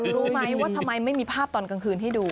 รู้ไหมว่าทำไมไม่มีภาพตอนกลางคืนให้ดู